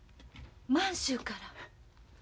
満州から。